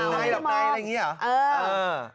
หลับในหลับในอย่างนี้เหรอ